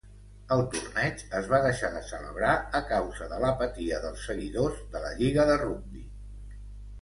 El torneig es va deixar de celebrar a causa de l'apatia dels seguidors de la lliga de rugbi.